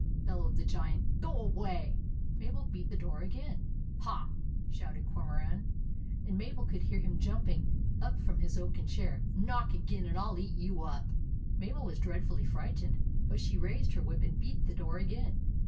" bellowed the Giant " GO AWAY !" Mabel beat the door again, "HA!" shouted Cormoran ; and Mabel could hear him jumping up from his oaken chair. "KNOCK AGAIN AND I'LL EAT YOU UP!!" Mabel was dreadfully frightened ; but she raised her whip and beat the door again.